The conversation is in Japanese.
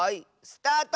スタート！